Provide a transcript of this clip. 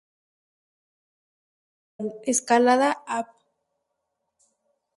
Eva Perón, Escalada, Av.